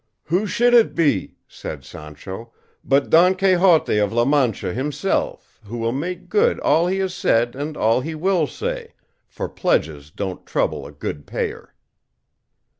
"Who should it be," said Sancho, "but Don Quixote of La Mancha himself, who will make good all he has said and all he will say; for pledges don't trouble a good payer."